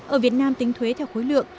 ở việt nam tính thuế theo khối lượng